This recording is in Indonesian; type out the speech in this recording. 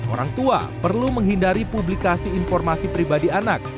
orang tua perlu menghindari publikasi informasi pribadi anak